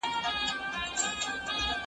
که وخت وي، سبزېجات خورم!!